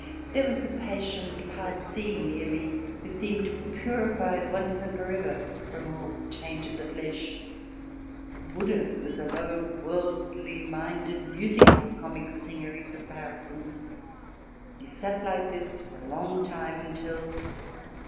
There was a patient Parsee near me who seemed purified once and for ever from all taint of the flesh. Buddha was a low, worldly minded, music hall comic singer in comparison. He sat like this for a long time until